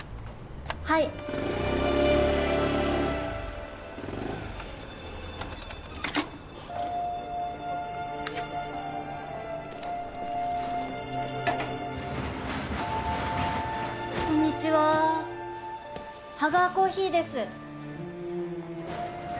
はいこんにちはハガーコーヒーです